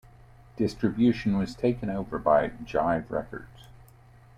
Distribution was taken over by Jive Records.